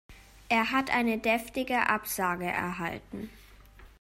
Er hat eine deftige Absage erhalten.